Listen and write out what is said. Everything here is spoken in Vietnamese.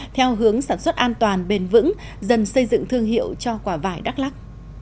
theo hướng sản xuất an toàn bền vững dần xây dựng thương hiệu cho quả vải đắk lắc